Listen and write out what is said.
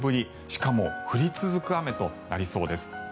しかも降り続く雨となりそうです。